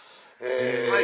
はい。